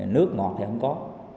nước ngọt thì không có